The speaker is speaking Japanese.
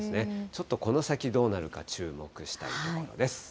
ちょっとこの先、どうなるか注目したいところです。